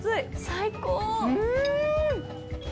最高。